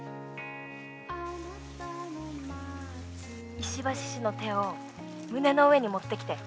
「石橋氏の手を胸の上に持ってきて」